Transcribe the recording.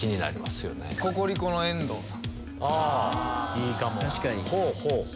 いいかも。